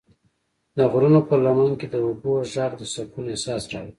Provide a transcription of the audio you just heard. د غرونو پر لمن کې د اوبو غږ د سکون احساس راولي.